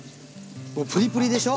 もうプリプリでしょ？